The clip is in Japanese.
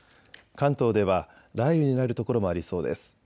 関東では雷雨になる所もありそうです。